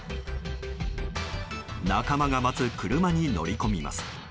仲間が待つ車に乗り込みます。